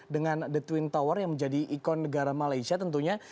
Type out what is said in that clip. dengan the twin tower yang menjadi ikon negara malaysia tentunya